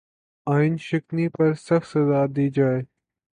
آئین شکنی پر سخت سزا دی جائے